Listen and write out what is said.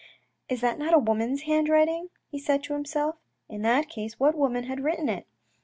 " Is that not a woman's handwriting?" he said to himself. In that case, what woman had written it?